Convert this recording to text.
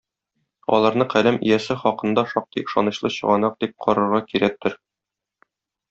Аларны каләм иясе хакында шактый ышанычлы чыганак дип карарга кирәктер.